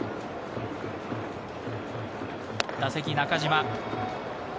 打席、中島。